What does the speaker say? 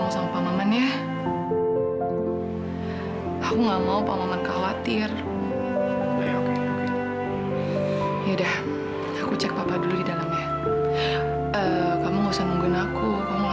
sampai jumpa di video selanjutnya